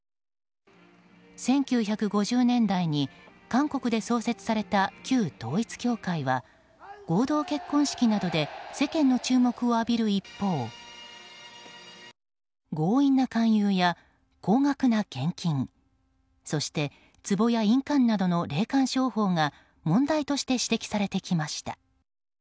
１９５０年代に韓国で創設された旧統一教会は合同結婚式などで世間の注目を浴びる一方強引な勧誘や高額な献金そして、つぼや印鑑などの霊感商法が問題と指摘されてきました。